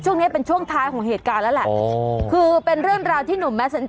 ช่วงนี้เป็นช่วงท้ายของเหตุการณ์แล้วแหละอ๋อคือเป็นเรื่องราวที่หนุ่ม